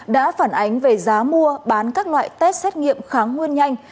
đã phản ánh về giá mua bán các loại test xét nghiệm kháng nguyên nhanh